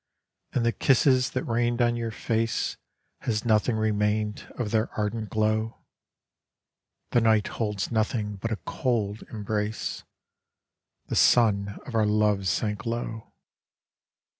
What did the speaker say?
And the kisses that rained on your face >!aB nothing remained of their ardent glow? The niaht holds nothing, but a cold embrace, The sun of our love sank low.